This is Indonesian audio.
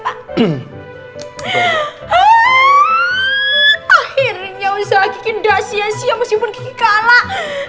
akhirnya usaha kiki udah sia sia meskipun kiki kalah